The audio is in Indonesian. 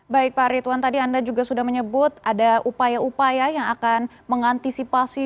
baik pak ridwan tadi anda juga sudah menyebut ada upaya upaya yang akan mengantisipasi